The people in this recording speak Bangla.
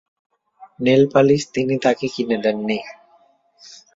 নেলপালিশ তিনি তাকে কিনে দেন নি।